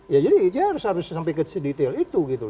ya jadi dia harus sampai ke detail itu gitu